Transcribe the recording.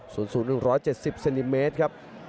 สูงสูง๑๗๐เซนติเมตรครับ